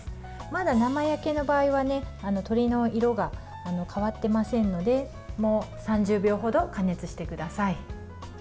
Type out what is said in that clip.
まだ生焼けの場合は鶏の色が変わってませんのでもう３０秒程、加熱してください。